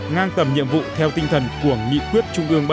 ngang tầm nhiệm vụ theo tinh thần của nghị quyết trung ương bảy khóa một mươi hai